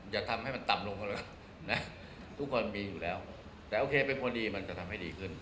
อย่าทำให้มันต่ำลงก็แล้วนะทุกคนมีอยู่แล้วแต่โอเคเป็นพอดีมันจะทำให้ดีขึ้น